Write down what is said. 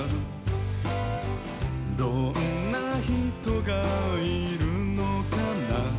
「どんなひとがいるのかな」